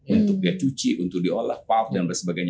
untuk dia cuci untuk diolah puff dan sebagainya